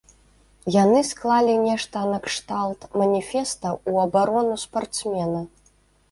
Яны склалі нешта накшталт маніфеста ў абарону спартсмена.